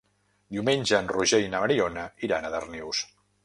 Diumenge en Roger i na Mariona iran a Darnius.